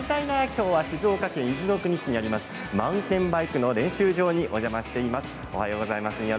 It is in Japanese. きょうは静岡県伊豆の国市にあるマウンテンバイクの練習場にお邪魔しています。